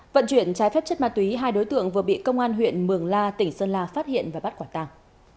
vận chuyển trái phép chất ma túy hai đối tượng vừa bị công an huyện mường la tỉnh sơn la phát hiện và bắt quả tàng